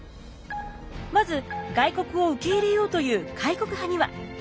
まず外国を受け入れようという開国派には。